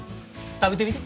食べてみて。